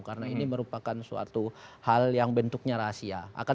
karena ini merupakan suatu hal yang bentuknya rahasia